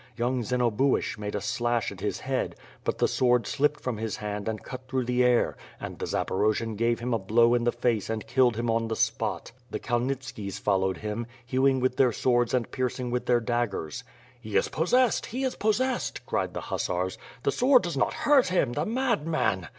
Young Zenobuish made a slash at his head; but the sword slipped from his hand and cut through the air, and the Zaporojian gave him a blow in the face and killed him on the spot. The Kalnitskis followed him, hewing with their swords and piercing with their daggers. *'He is pos sessed! he is possessed!" cried the hussars. '*The sword does not hurt him, the madman!''